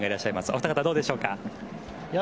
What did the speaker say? お二方、どうでしょうか。